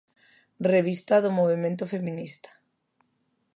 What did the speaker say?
Revista do Movemento Feminista.